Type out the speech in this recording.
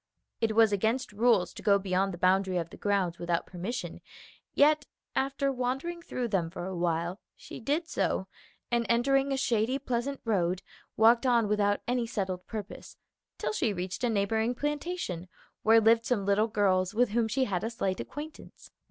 It was against rules to go beyond the boundary of the grounds without permission; yet after wandering through them for a while, she did so, and entering a shady, pleasant road, walked on without any settled purpose, till she reached a neighboring plantation where lived some little girls with whom she had a slight acquaintance.